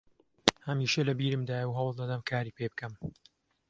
هەمیشە لە بیرمدایە و هەوڵ دەدەم کاری پێ بکەم